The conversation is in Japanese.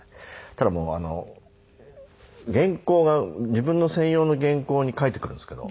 ただもう原稿が自分の専用の原稿に書いてくるんですけど。